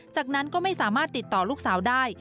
จากนั้นก็ไม่สามารถติดต่อลูกสาวได้